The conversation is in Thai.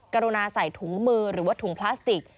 กรุณาใส่ถุงมือหรือว่าถุงพลาสติก